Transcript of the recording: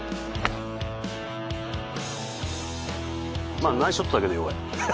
まあナイスショットだけど弱い。